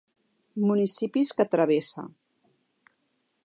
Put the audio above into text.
Municipis que travessa: